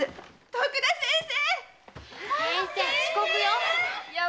徳田先生